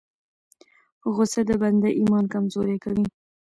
غصه د بنده ایمان کمزوری کوي.